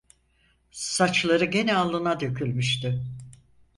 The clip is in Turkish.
Saçları gene alnına dökülmüştü.